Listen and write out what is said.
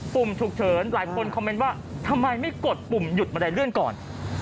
ุ่มฉุกเฉินหลายคนคอมเมนต์ว่าทำไมไม่กดปุ่มหยุดบันไดเลื่อนก่อน